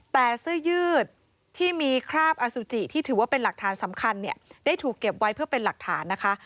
แต่เสื้อยืดที่มีคราบอสุจิที่ถือว่าเป็นหลักฐานสำคัญเนี่ยได้ถูกเก็บไว้เพื่อเป็นหลักฐานนะคะ